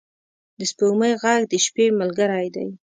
د سپوږمۍ ږغ د شپې ملګری دی.